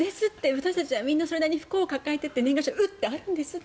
私たちはみんなそれなりに不幸を抱えてて年賀状でうっというのがあるんです。